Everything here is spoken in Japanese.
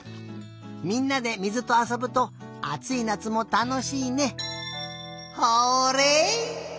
みんなで水とあそぶとあついなつもたのしいね。